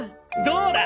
どうだ？